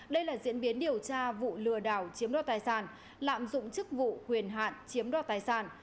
đây là diễn biến điều tra vụ lừa đảo chiếm đo tài sản lạm dụng chức vụ quyền hạn chiếm đoạt tài sản